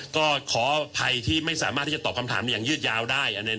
ก็ขออภัยที่ไม่สามารถที่จะตอบคำถามอย่างยืดยาวได้